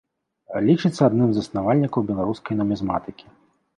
Лічыцца адным з заснавальнікаў беларускай нумізматыкі.